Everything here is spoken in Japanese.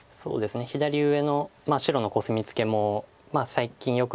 左上の白のコスミツケも最近よく打たれる手で。